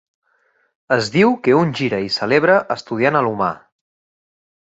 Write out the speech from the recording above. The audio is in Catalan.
Es diu que un gira i celebra estudiant a l'humà.